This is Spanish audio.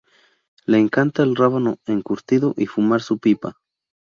Le encanta el rábano encurtido y fumar su pipa.